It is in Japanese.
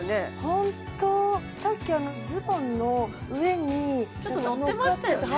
ホントさっきあのズボンの上にちょっと乗ってましたよね